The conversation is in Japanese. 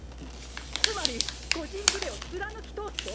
つまり個人プレーを貫き通すと？